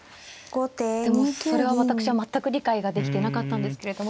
でもそれは私は全く理解ができてなかったんですけれども。